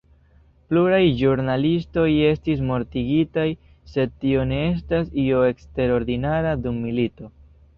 Pluraj ĵurnalistoj estis mortigitaj, sed tio ne estas io eksterordinara dum milito.